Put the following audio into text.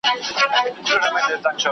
سکرینینګ د سرطان د مړینې کچه کموي.